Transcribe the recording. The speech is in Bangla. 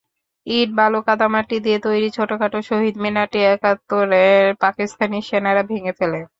ইট-বালু-কাদামাটি দিয়ে তৈরি ছোটখাটো শহীদ মিনারটি একাত্তরে পাকিস্তানি সেনারা ভেঙে ফেলে।